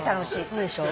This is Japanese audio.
そうでしょ。